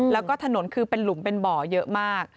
แล้วก็ถนนคือเป็นหลุมเป็นบ่อเยอะมาก